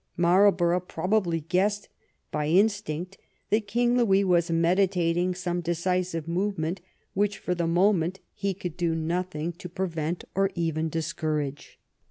Marlborough probably guessed by in stinct that King Louis was meditating some decisive movement which for the moment he could do nothing 108 THE CAMPAIGN"— BLENHEIM to prevent or even discourage.